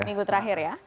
seminggu terakhir ya